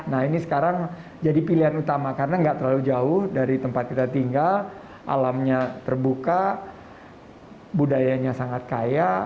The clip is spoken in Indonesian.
nah ini sekarang jadi pilihan utama karena nggak terlalu jauh dari tempat kita tinggal alamnya terbuka budayanya sangat kaya